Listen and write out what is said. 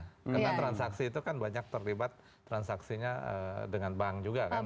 karena transaksi itu kan banyak terlibat transaksinya dengan bank juga kan